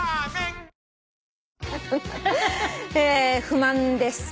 不満です。